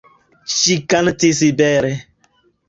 Ŝi kantis bele.